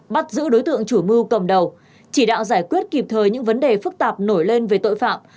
bắt giữ đối tượng chủ mưu cầm đầu chỉ đạo giải quyết kịp thời những vấn đề phức tạp nổi lên về tội phạm